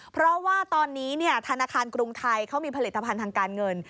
เพราะว่าตอนนี้ธนาคารกรุงไทยเขามีผลิตภัณฑ์ทางการเงิน